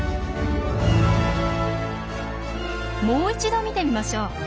もう一度見てみましょう。